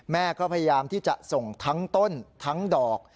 แม่ก็พยายามที่จะส่งทั้งต้นทั้งดอก